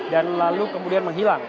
dan lalu kemudian menghilang